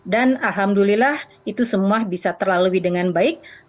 dan alhamdulillah itu semua bisa terlalui dengan baik